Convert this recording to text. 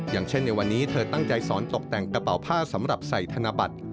อย่างเช่นในวันนี้เธอตั้งใจสอนตกแต่งกระเป๋าผ้าสำหรับใส่ธนบัตร